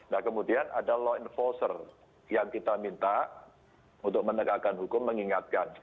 nah kemudian ada law enforcer yang kita minta untuk menegakkan hukum mengingatkan